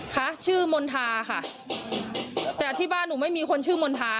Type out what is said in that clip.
ค่ะชื่อมณฑาค่ะแต่ที่บ้านหนูไม่มีคนชื่อมณฑา